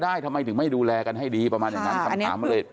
อันนั้นก็ได้ทำไมถึงไม่รู้แลกันให้ดีประมาณอย่างนั้นคำถามเลย